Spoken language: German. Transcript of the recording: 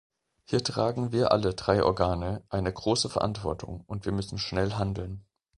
Hier tragen wir alle drei Organe eine große Verantwortung, und wir müssen schnell handeln.